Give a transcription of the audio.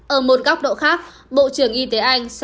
ở một góc độ khác bộ trưởng y tế anh